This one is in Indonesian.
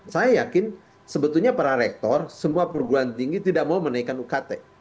saya yakin sebetulnya para rektor semua perguruan tinggi tidak mau menaikkan ukt